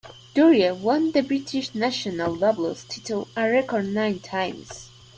Durie won the British National Doubles title a record nine times.